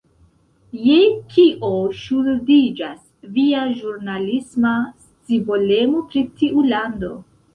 Je kio ŝuldiĝas via ĵurnalisma scivolemo pri tiu lando?